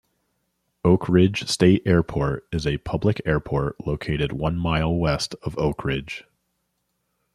Oakridge State Airport is a public airport located one mile west of Oakridge.